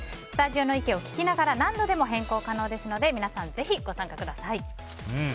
スタジオの意見を聞きながら何度でも変更可能ですので皆さん、ぜひご参加ください。